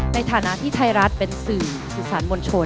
ในฐานะที่ไทยรัฐเป็นสื่อสินสรรค์มนตร์โชษ